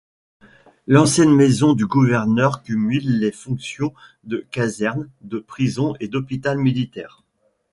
L'ancienne maison du Gouverneur cumule les fonctions de caserne, de prison et d'hôpital militaire.